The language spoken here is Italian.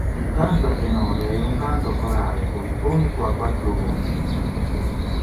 Il cantu a tenore è un canto corale polifonico a quattro voci.